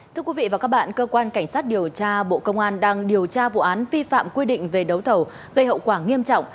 thưa quý vị và các bạn cơ quan cảnh sát điều tra bộ công an đang điều tra vụ án vi phạm quy định về đấu thầu gây hậu quả nghiêm trọng